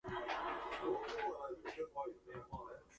If we can control sex, then we can master all other desires.